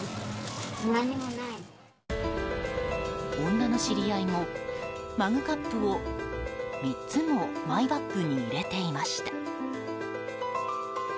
女の知り合いも、マグカップを３つもマイバッグに入れていました。